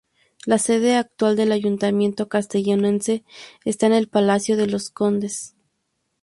La sede actual del ayuntamiento castellonense está en el Palacio de los Condes.